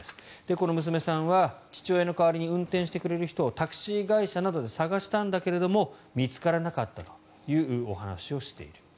この娘さんは父親の代わりに運転してくれる人をタクシー会社などで探したんだけれども見つからなかったというお話をしている。